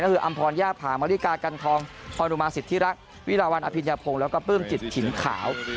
ก็คืออำพรย่าผามริกากันทองคอนอุมาสิทธิรักษ์วิราวันอภิญญาพงศ์แล้วก็ปลื้มจิตถิ่นขาว